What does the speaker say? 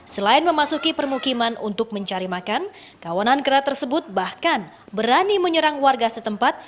selain memasuki permukiman untuk mencari makan kawanan kera tersebut bahkan berani menyerang warga setempat